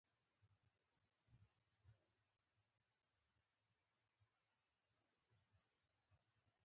هره ورځ د ځان پرمختګ ته وقف کول ښه عادت دی.